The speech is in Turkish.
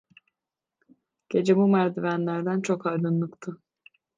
Gece bu merdivenlerden çok aydınlıktı…